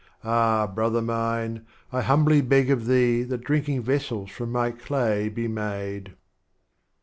Ah, Brother mine, I humbly beg of Thee, That Drinking Vessels from My Clay be made.